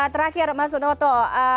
terakhir mas unoto